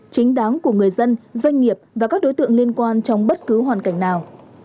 chính đáng của người dân doanh nghiệp và các đối tượng liên quan trong bất cứ hoàn cảnh nào